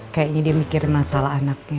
kayaknya dia mikir masalah anaknya